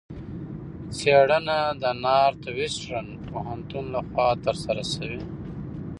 څېړنه د نارت وېسټرن پوهنتون لخوا ترسره شوې.